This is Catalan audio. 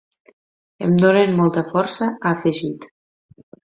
Em donen molta força, ha afegit.